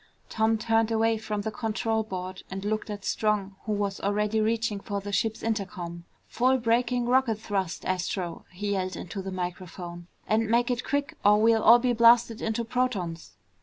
Tom turned away from the control board and looked at Strong who was already reaching for the ship's intercom. "Full braking rocket thrust, Astro," he yelled into the microphone, "and make it quick or we'll all be blasted into protons!"